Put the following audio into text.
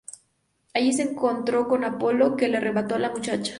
Allí se encontró con Apolo, que le arrebató a la muchacha.